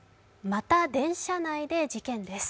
また電車内で事件です。